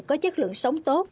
có chất lượng sống tốt